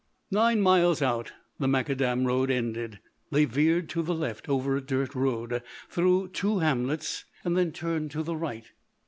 Nine miles out the macadam road ended. They veered to the left over a dirt road, through two hamlets; then turned to the right.